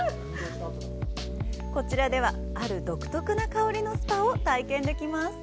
こちらでは、ある独特の香りのスパを体験できます。